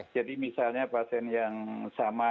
jadi misalnya pasien yang sama